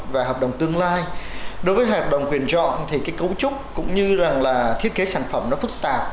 và hợp đồng tương lai đối với hợp đồng quyền chọn thì cái cấu trúc cũng như rằng là thiết kế sản phẩm nó phức tạp